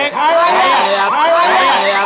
ใครคะนี่